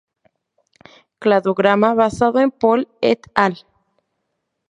Cladograma basado en Pol "et al.